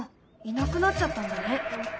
いなくなっちゃったんだね。